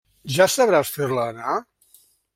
Ja sabràs fer-la anar?